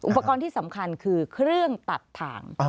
อุปกรณ์ที่สำคัญคือเครื่องตัดทาง